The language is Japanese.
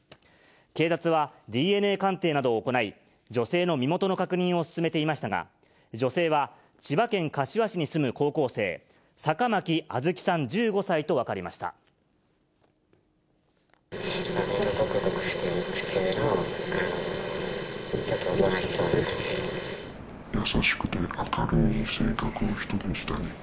警察は、ＤＮＡ鑑定などを行い、女性の身元の確認を進めていましたが、女性は千葉県柏市に住む高校生、坂巻杏月さん１５歳と分かりましほんとごくごく普通の、優しくて明るい性格の人でしたね。